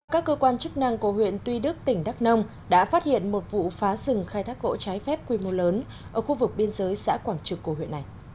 các cơ quan chức năng của huyện tuy đức tỉnh đắk nông đã phát hiện một vụ phá rừng khai thác gỗ trái phép quy mô lớn ở khu vực biên giới xã quảng trực của huyện này